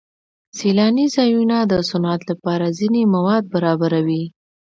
سیلاني ځایونه د صنعت لپاره ځینې مواد برابروي.